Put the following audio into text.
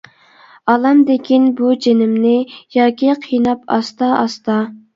ئالامدىكىن بۇ جىنىمنى، ياكى قىيناپ ئاستا-ئاستا.